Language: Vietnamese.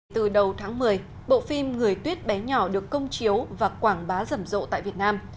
từ đầu tháng một mươi bộ phim người tuyết bé nhỏ được công chiếu và quảng bá rầm rộ tại việt nam